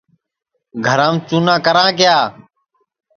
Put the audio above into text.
گھرام چُنا کرا کیا